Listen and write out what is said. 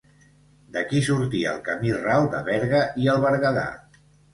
D'aquí sortia el camí ral de Berga i el Berguedà.